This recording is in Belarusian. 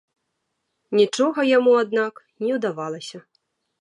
Нічога яму, аднак, не ўдавалася.